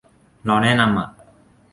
เราแนะนำอ่ะ